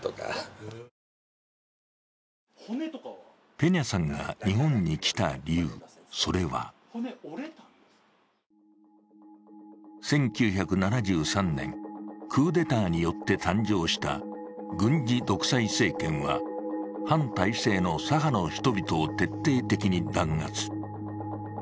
ペニャさんが日本に来た理由、それは１９７３年、クーデターによって誕生した軍事独裁政権は反体制の左派の人々を徹底的に弾圧。